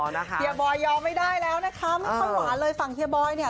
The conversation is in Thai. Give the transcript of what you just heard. อ๋อนะคะเฮียบอยยอมไม่ได้แล้วนะคะมันความหวานเลยฟังเฮียบอยเนี่ย